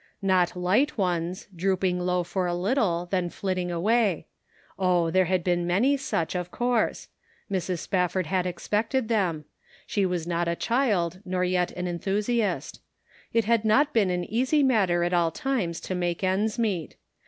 Not light ones, drooping low for a little, then flitting away; oh, there had been many such, The Ends Meet. 327 of course ; Mrs. Spafford had expected them ; she was not a child, nor yet an enthusiast; it had not been an easy matter at all times to make ends meet.